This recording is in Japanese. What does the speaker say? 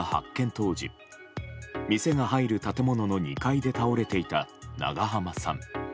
当時店が入る建物の２階で倒れていた長濱さん。